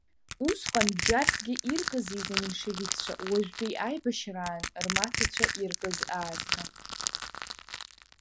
Усҟан бџьарсгьы иркызиз аменшевикцәа, уажәтәи аибашьраан рмаҭацәа иркыз аасҭа.